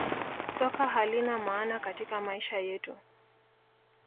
Soka halina maana katika maisha yetu